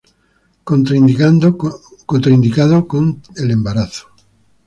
Contraindicado con el embarazo.